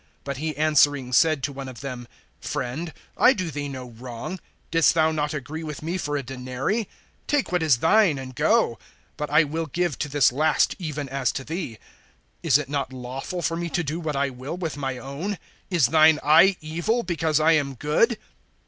(13)But he answering said to one of them: Friend, I do thee no wrong. Didst thou not agree with me for a denary? (14)Take what is thine, and go. But I will give to this last, even as to thee. (15)Is it not lawful for me to do what I will with my own? Is thine eye evil, because I am good?